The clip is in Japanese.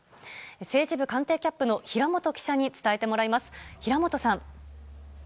政治部官邸キャップの平本記者に伝えてもらいます。